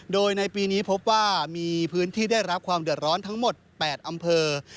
โดยในปีนี้พบว่ามีพื้นที่ได้รับความเดือดร้อนทั้งหมด๘อำเภอ